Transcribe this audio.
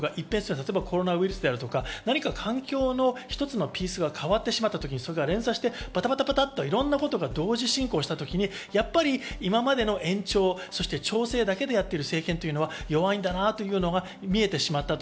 例えばコロナウイルスとか、何か環境の一つのピースが変わってしまったということが連鎖してバタバタといろんなことが同時進行した時、今までの延長、調整だけでやっている政権というのは弱いんだなというのが見えてしまった。